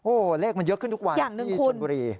เลขมันเยอะขึ้นทุกวันที่ชนบุรี